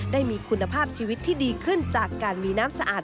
ได้มีคุณภาพชีวิตที่ดีขึ้นจากการมีน้ำสะอาด